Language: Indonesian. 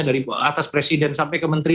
dari atas presiden sampai ke menteri